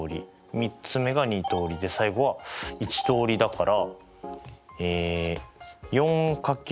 ３つ目が２通りで最後は１通りだから。